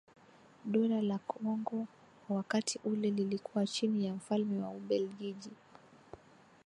Dola la Kongo kwa wakati ule lilikuwa chini ya mfalme wa Ubelgiji